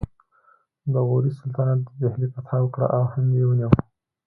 د غوري سلطنت د دهلي فتحه وکړه او هند یې ونیو